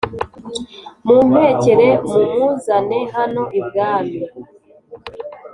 mumpekere mumuzane hano ibwami